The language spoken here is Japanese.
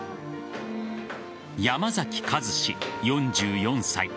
山崎一史、４４歳。